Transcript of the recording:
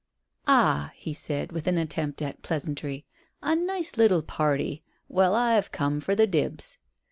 "Ah," he said, with an attempt at pleasantry, "a nice little party. Well, I've come for the dibs."